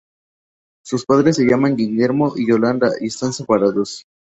Sus padres se llaman Guillermo y Yolanda y están separados.